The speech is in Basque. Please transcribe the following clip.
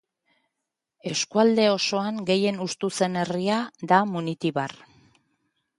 Eskualde osoan gehien hustu zen herria da Munitibar.